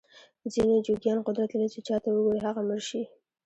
ځینې جوګیان قدرت لري چې چاته وګوري هغه مړ شي.